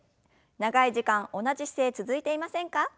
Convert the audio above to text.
長い時間同じ姿勢続いていませんか？